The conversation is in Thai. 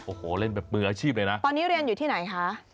โอ้โหเล่นแบบมืออาชีพเลยนะตอนนี้เรียนอยู่ที่ไหนคะ